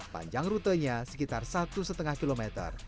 panjang rutenya sekitar satu lima km